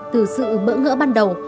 từ sự bỡ ngỡ ban đầu